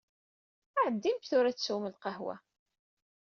Ɛeddim-d tura ad teswem lqawa.